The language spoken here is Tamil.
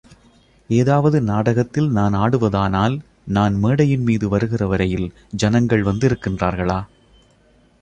ஏதாவது நாடகத்தில் நான் ஆடுவதானால், நான் மேடையின்மீது வருகிற வரையில், ஜனங்கள் வந்திருக்கின்றார்களா?